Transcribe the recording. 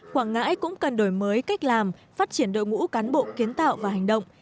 quảng ngãi cũng cần đổi mới cách làm phát triển đội ngũ cán bộ kiến tạo và hành động